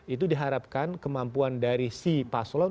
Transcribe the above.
itu diharapkan kemampuan dari si paslon